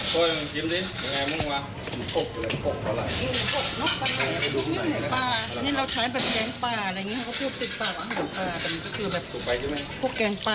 โค้ยมึงชิมสิยังไงมึงว่ะ